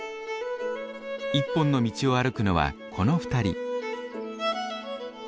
一本の道を歩くのはこの２人。